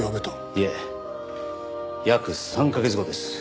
いえ約３カ月後です。